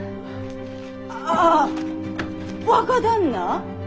ああ若旦那？